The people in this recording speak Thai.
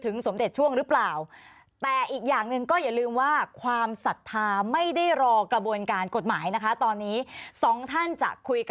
ในรายการคืนนี้สวัสดีจันทรายบุญค่ะ